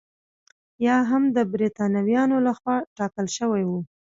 یا هم د برېټانویانو لخوا ټاکل شوي وو.